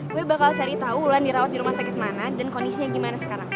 gue bakal cari tahu ulan dirawat di rumah sakit mana dan kondisinya gimana sekarang